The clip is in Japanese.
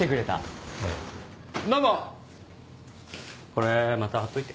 これまた張っといて。